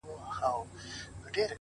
• ما یې په غېږه کي ګُلونه غوښتل,